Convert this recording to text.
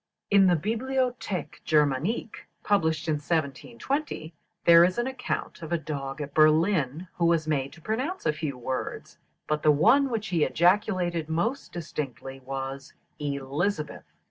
In the "Bibliothèque Germanique," published in 1720, there is an account of a dog at Berlin, who was made to pronounce a few words, but the one which he ejaculated most distinctly was "Elizabeth."